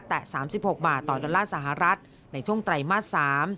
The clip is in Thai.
แต่๓๖บาทต่อดอลลาร์สหรัฐในช่วงไตรมาส๓